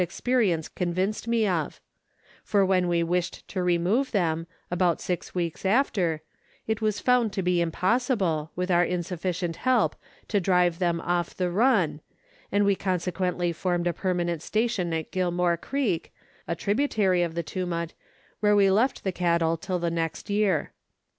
experience convinced me of ; for when we wished to remove them, about six weeks after, it was found to be impossible, with our insufficient help, to drive them off the run, and we consequently formed a permanent station at Gilmore Creek, a tributary of the Tumut, where we left the cattle till the next year.